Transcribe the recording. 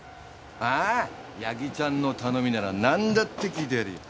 ああ矢木ちゃんの頼みならなんだって聞いてやるよ。